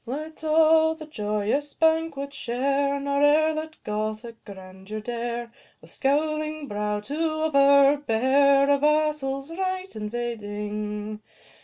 Let all the joyous banquet share, Nor e'er let Gothic grandeur dare, With scowling brow, to overbear, A vassal's right invading.